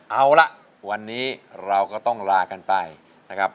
เอาละวันนี้เราก็ต้องลากันไปนะครับ